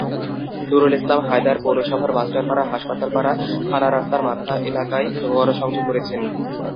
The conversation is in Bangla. নুরুল ইসলাম হায়দার পৌরসভার মাস্টারপাড়া, হাসপাতালপাড়া, থানা রাস্তার মাথা এলাকায় গণসংযোগ করেছেন।